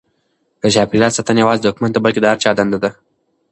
د چاپیریال ساتنه یوازې د حکومت نه بلکې د هر چا دنده ده.